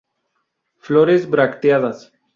Flores bracteadas.